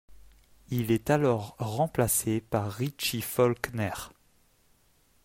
Il est alors remplacé par Richie Faulkner.